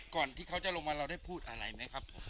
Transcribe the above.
ก่อนที่เขาจะลงมาเราได้พูดอะไรไหมครับ